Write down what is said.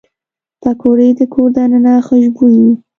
پکورې د کور دننه خوشبويي وي